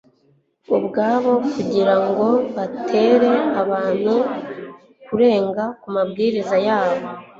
ubwayo kugira ngo batere abantu kurenga ku mabwiriza yayo